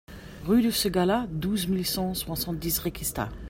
Rue du Ségala, douze mille cent soixante-dix Réquista